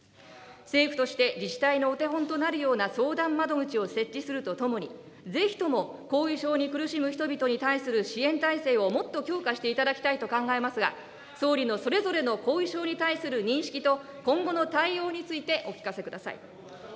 政府として自治体のお手本となるような相談窓口を設置するとともに、ぜひとも後遺症に苦しむ人々に対する支援体制をもっと強化していただきたいと考えますが、総理のそれぞれの後遺症に対する認識と、今後の対応についてお聞かせください。